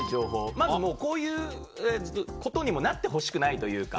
まずもう、こういうことにもなってほしくないというか。